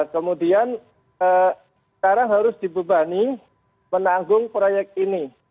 kemudian sekarang harus dibebani menanggung proyek ini